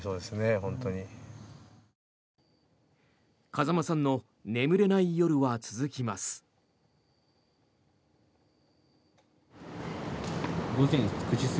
風間さんの眠れない夜は続きます。